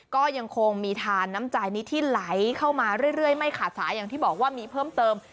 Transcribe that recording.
ก็ยังคงมีทานน้ำใจนี้ที่ไหลเข้ามาเรื่อยไม่ขาดสายอย่างที่บอกว่ามีเพิ่มเติม